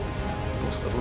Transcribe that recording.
どうした？